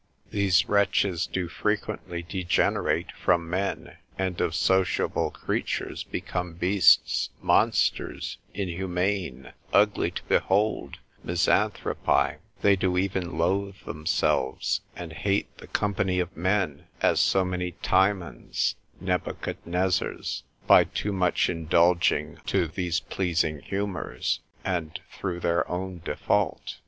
These wretches do frequently degenerate from men, and of sociable creatures become beasts, monsters, inhumane, ugly to behold, Misanthropi; they do even loathe themselves, and hate the company of men, as so many Timons, Nebuchadnezzars, by too much indulging to these pleasing humours, and through their own default.